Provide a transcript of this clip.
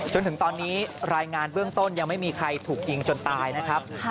จนถึงตอนนี้รายงานเบื้องต้นยังไม่มีใครถูกยิงจนตายนะครับ